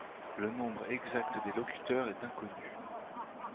Le nombre exact des locuteurs est inconnu.